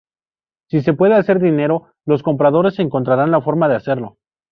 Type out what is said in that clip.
Si se puede hacer dinero, los compradores encontrarán la forma de hacerlo.